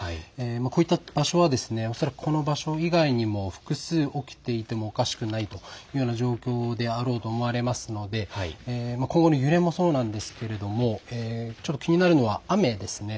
こういった場所は恐らくこの場所以外にも複数起きていてもおかしくないというような状況であろうと思われますので今後の揺れもそうなんですが気になるのは雨です。